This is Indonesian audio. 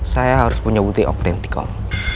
saya harus punya bukti autentik om